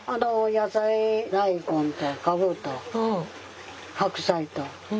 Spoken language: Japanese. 野菜大根とカブと白菜と。